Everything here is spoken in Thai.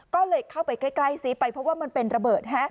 ก็เลยเข้าไปใกล้ซิไปเพราะว่ามันเป็นระเบิด